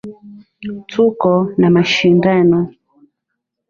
Tuko na mashindano.